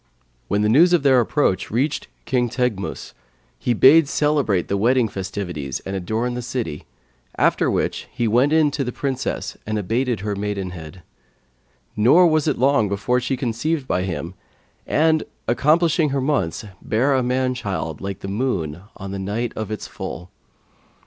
When the news of their approach reached King Teghmus, he bade celebrate the wedding festivities and adorn the city; after which he went in unto the Princess and abated her maidenhead; nor was it long before she conceived by him and, accomplishing her months, bare a man child like the moon on the night of its full.